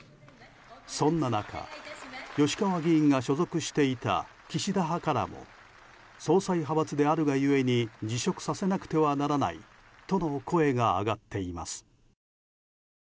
そんな中、吉川議員が所属していた岸田派からも総裁派閥であるがゆえに辞職させなくてはならないとの声が上がっています。